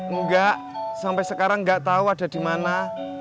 enggak sampai sekarang nggak tahu ada di mana